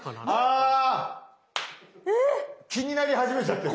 あ気になり始めちゃってる。